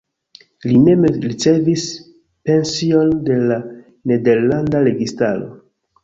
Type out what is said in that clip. Li mem ricevis pension de la nederlanda registaro.